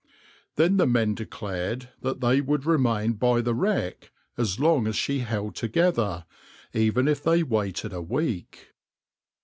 Then the men declared that they would remain by the wreck as long as she held together, even if they waited a week.